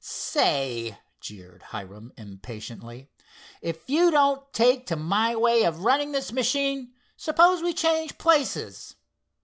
"Say," jeered Hiram impatiently, "if you don't take to my way of running this machine, suppose we change places?"